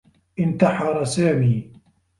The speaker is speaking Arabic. انتحر سامي.